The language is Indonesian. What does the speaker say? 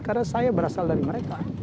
karena saya berasal dari mereka